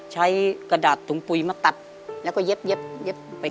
กระดาษถุงปุ๋ยมาตัดแล้วก็เย็บไป